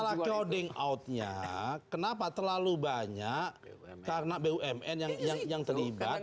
masalah crowding out nya kenapa terlalu banyak karena bumn yang terlibat